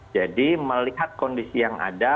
jadi melihat kondisi yang ada